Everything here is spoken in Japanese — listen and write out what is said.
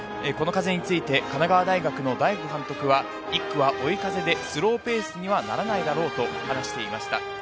この風について神奈川大学の大後監督は１区は追い風でスローペースにはならないだろうと話していました。